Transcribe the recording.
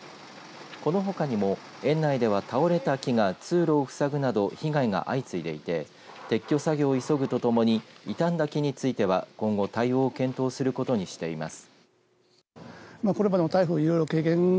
このほかにも園内では倒れた木が通路を塞ぐなど被害が相次いでいて撤去作業を急ぐとともに傷んだ木については今後、対応を検討することにしています。